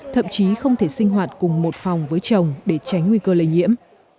thậm chí không thể sinh hoạt cùng một phòng với chồng để tránh nguy cơ lây nhiễm